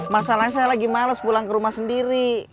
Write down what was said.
masalahnya saya lagi males pulang ke rumah sendiri